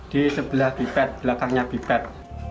di sebelah bipet belakangnya bipet